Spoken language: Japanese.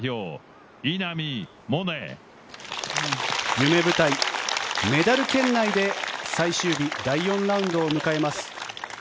夢舞台、メダル圏内で最終日、第４ラウンドを迎えます。